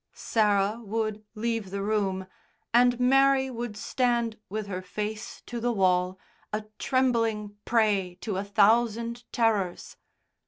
Sarah would leave the room and Mary would stand with her face to the wall, a trembling prey to a thousand terrors.